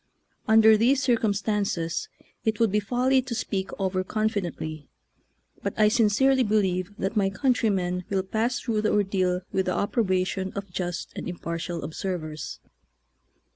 Under these circumstances it would be folly to speak over confi dently, but I sincerely believe that my countrymen will pass through the ordeal with the approbation of just and impartial observers.